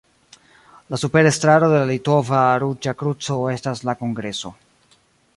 La supera estraro de la Litova Ruĝa Kruco estas la kongreso.